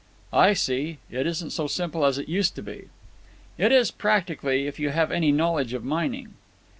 "I see. It isn't so simple as it used to be." "It is, practically, if you have any knowledge of mining."